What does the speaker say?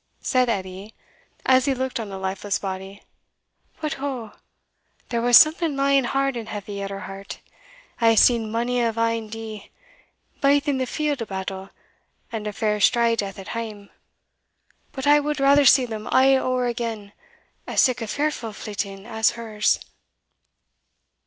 said Edie, as he looked on the lifeless body; "but oh! there was something lying hard and heavy at her heart. I have seen mony a ane dee, baith in the field o' battle, and a fair strae death at hame; but I wad rather see them a' ower again, as sic a fearfu' flitting as hers!"